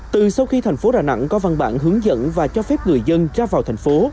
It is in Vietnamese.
từ sau khi thành phố đà nẵng có văn bản hướng dẫn và cho phép người dân ra vào thành phố